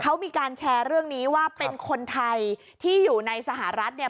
เขามีการแชร์เรื่องนี้ว่าเป็นคนไทยที่อยู่ในสหรัฐเนี่ย